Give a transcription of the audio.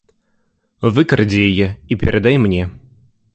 Выкрадзі яе і перадай мне.